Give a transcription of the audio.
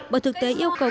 bởi thực tế yêu cầu không